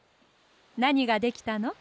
なにができたの？